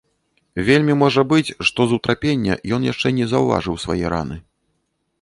Вельмі можа быць, што з утрапення ён яшчэ не заўважыў свае раны.